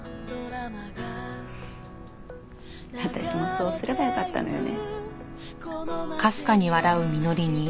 私もそうすればよかったのよね。